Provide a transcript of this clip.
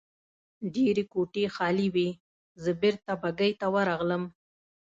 ډېرې کوټې خالي وې، زه بېرته بګۍ ته ورغلم.